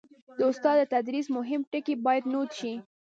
د استاد د تدریس مهم ټکي باید نوټ شي.